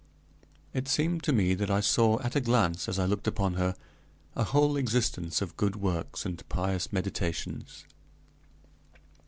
It seemed to me that I saw at a glance, as I looked upon her, a whole existence of good works and pious meditations.